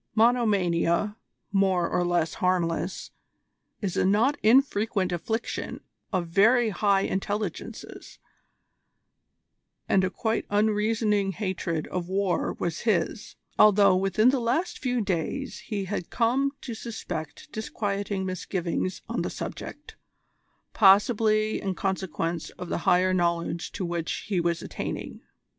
Monomania, more or less harmless, is a not infrequent affliction of very high intelligences, and a quite unreasoning hatred of war was his, although within the last few days he had come to suspect disquieting misgivings on the subject, possibly in consequence of the higher knowledge to which he was attaining.